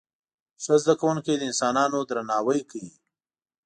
ښه زده کوونکي د انسانانو درناوی کوي.